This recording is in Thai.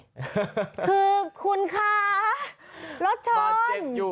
คือคุณคะรถชน